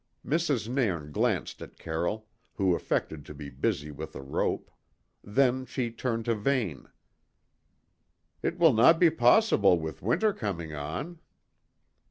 Mrs. Nairn glanced at Carroll, who affected to be busy with a rope; then she turned to Vane. "It will no be possible with winter coming on."